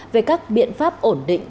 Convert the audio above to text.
về các biện pháp ổn định